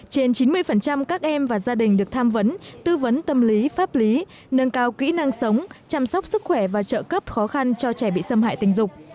trên chín mươi các em và gia đình được tham vấn tư vấn tâm lý pháp lý nâng cao kỹ năng sống chăm sóc sức khỏe và trợ cấp khó khăn cho trẻ bị xâm hại tình dục